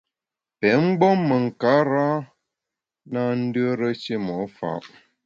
Pé mgbom me nkarâ na ndùere shimo’ fa’.